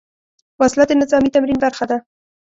وسله د نظامي تمرین برخه ده